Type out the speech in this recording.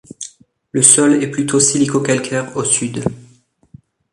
Le sol est plutôt silico-calcaire au sud.